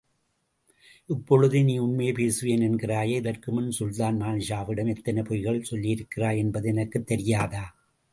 இப்பொழுது நீ உண்மையே பேசுவேன் என்கிறாயே, இதற்குமுன் சுல்தான் மாலிக்ஷாவிடம் எத்தனை பொய்கள் சொல்லியிருக்கிறாய் என்பது எனக்குத் தெரியாதா?